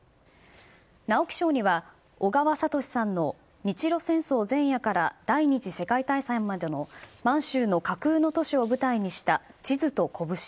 直木賞には小川哲さんの日露戦争前夜から第２次世界大戦までの満州の架空の都市を舞台にした「地図と拳」。